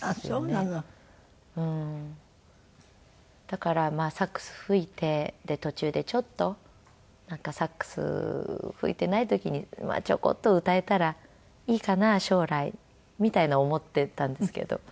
だからサックス吹いてで途中でちょっとサックス吹いていない時にちょこっと歌えたらいいかな将来みたいに思っていたんですけど。